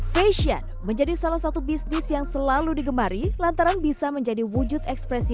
fashion menjadi salah satu bisnis yang selalu digemari lantaran bisa menjadi wujud ekspresi